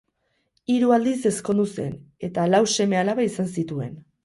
Hiru aldiz ezkondu zen eta lau seme-alaba izan zituen.